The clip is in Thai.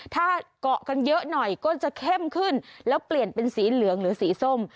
ถ้าเกาะกันเยอะหน่อยก็จะเข้มขึ้นแล้วเปลี่ยนเป็นสีเหลืองหรือสีส้ม